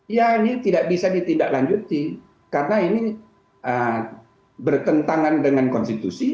ya ini tidak bisa ditindaklanjuti karena ini bertentangan dengan konstitusi